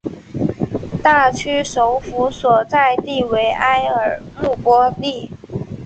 大区首府所在地为埃尔穆波利。